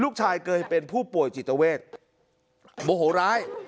เคยเป็นผู้ป่วยจิตเวทโมโหร้าย